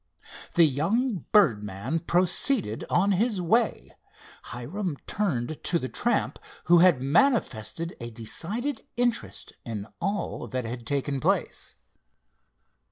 The young birdman proceeded on his way. Hiram turned to the tramp, who had manifested a decided interest in all that had taken place.